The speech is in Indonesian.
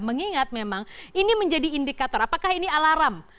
mengingat memang ini menjadi indikator apakah ini alarm